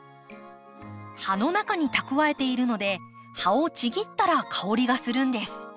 葉の中に蓄えているので葉をちぎったら香りがするんです。